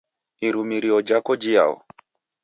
Irumirio jhako jiao?